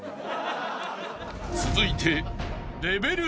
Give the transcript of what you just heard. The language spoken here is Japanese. ［続いて］